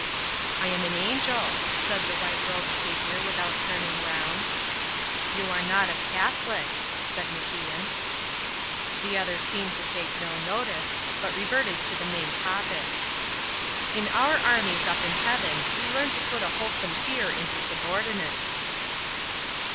"I am an angel," said the white robed figure, without turning round. "You are not a Catholic," said MacIan. The other seemed to take no notice, but reverted to the main topic. "In our armies up in heaven we learn to put a wholesome fear into subordinates."